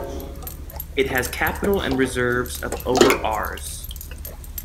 It has capital and reserves of over Rs.